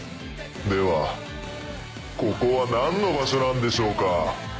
ではここは何の場所なんでしょうか？